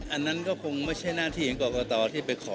อันนั้นก็คงไม่ใช่หน้าที่ของกรกตที่ไปขอ